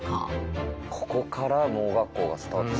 ここから盲学校がスタートしたんですね。